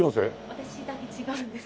私だけ違うんです。